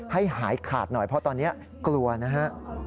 ให้หายขาดหน่อยเพราะตอนนี้กลัวนะฮะ